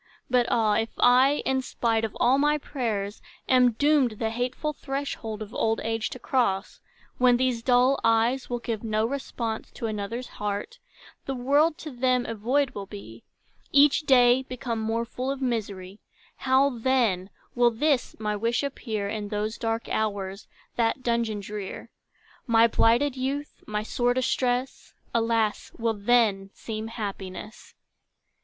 But ah! If I, in spite of all my prayers, Am doomed the hateful threshold of old age To cross, when these dull eyes will give No response to another's heart, The world to them a void will be, Each day become more full of misery, How then, will this, my wish appear In those dark hours, that dungeon drear? My blighted youth, my sore distress, Alas, will then seem happiness!